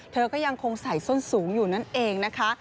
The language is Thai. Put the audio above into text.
เธอก็ยังคงใส่ส้นสูงอยู่นั่นเองนะคะ